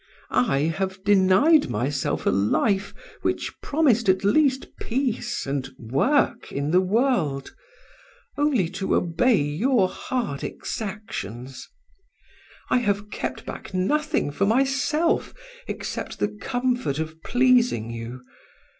I have denied myself a life which promised at least peace and work in the world, only to obey your hard exactions. I have kept back nothing for myself, except the comfort of pleasing you.